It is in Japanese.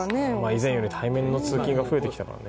以前より対面の通勤が増えてきましたからね。